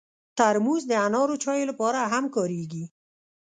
ترموز د انارو چایو لپاره هم کارېږي.